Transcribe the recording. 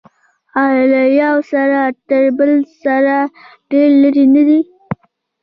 آیا له یوه سر تر بل سر ډیر لرې نه دی؟